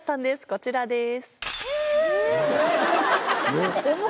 こちらです。